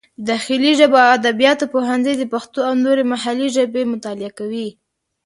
د داخلي ژبو او ادبیاتو پوهنځی د پښتو او نورې محلي ژبې مطالعه کوي.